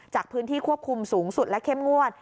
จากพื้นที่ควบคุมสูงสุดและเข้มงวด